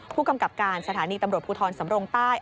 ผู้กำกับการสถานีตำรวจภูทรสำรงใต้